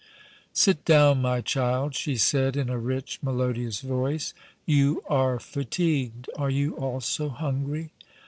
"Sit down, my child," she said, in a rich, melodious voice. "You are fatigued. Are you also hungry?"